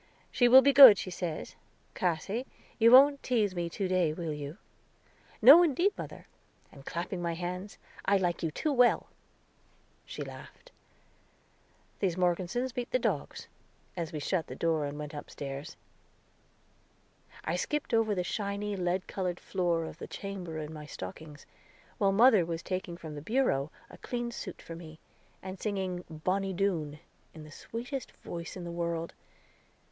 She will be good, she says. Cassy, you won't teaze me to day, will you?" "No, indeed, mother," and clapping my hands, "I like you too well." She laughed. "These Morgesons beat the dogs," I heard Temperance say, as we shut the door and went upstairs. I skipped over the shiny, lead colored floor of the chamber in my stockings, while mother was taking from the bureau a clean suit for me, and singing "Bonny Doon," with the sweetest voice in the world.